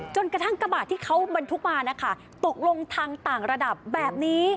กระทั่งกระบาดที่เขาบรรทุกมานะคะตกลงทางต่างระดับแบบนี้